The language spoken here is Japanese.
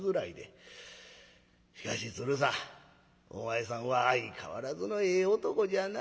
しかし鶴さんお前さんは相変わらずのええ男じゃなあ。